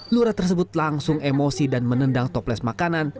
lurah tersebut langsung emosi dan menendang toples makanan